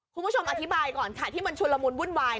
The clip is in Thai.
คุณผู้ชมอธิบายก่อนค่ะที่มันชุนละมุนวุ่นวาย